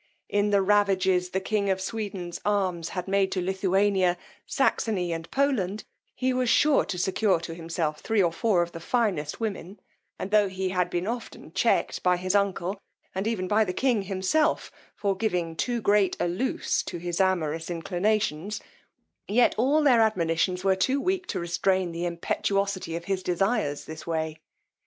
In the ravages the king of Sweden's arms had made in Lithuania, Saxony and Poland, he was sure to secure to himself three or four of the finest women; and tho' he had been often checked by his uncle, and even by the king himself, for giving too great a loose to his amorous inclinations, yet all their admonitions were too weak to restrain the impetuosity of his desires this way.